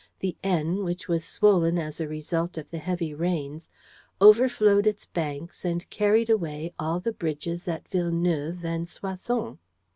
The Aisne, which was swollen as the result of the heavy rains, overflowed its banks and carried away all the bridges at Villeneuve and Soissons.